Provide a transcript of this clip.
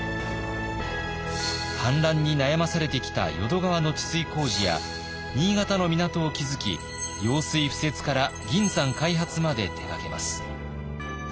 氾濫に悩まされてきた淀川の治水工事や新潟の港を築き用水敷設から銀山開発まで手がけます。